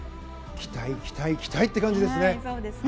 期待、期待、期待って感じですね。